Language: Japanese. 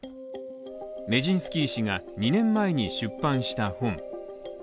メジンスキー氏が２年前に出版した本。